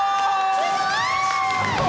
すごーい！